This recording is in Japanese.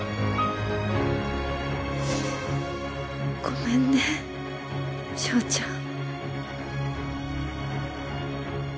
ごめんね祥ちゃん。